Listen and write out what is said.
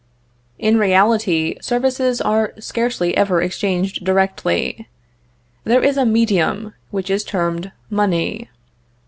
In reality, services are scarcely ever exchanged directly. There is a medium, which is termed money.